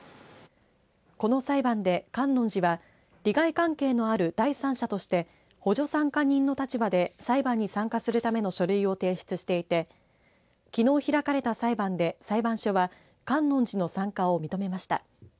この裁判で観音寺は利害関係のある第三者として補助参加人の立場で裁判に参加するための書類を提出していてきのう開かれた裁判で裁判所は観音寺の参加を認めました。